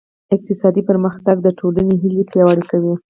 اقتصادي پرمختګ د ټولنې هیلې پیاوړې کوي.